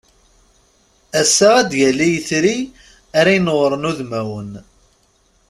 Assa ad d-yali yetri ara inewwṛen udmawen.